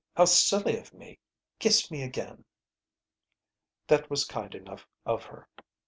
How silly of me! Kiss me again." That was kind enough of her.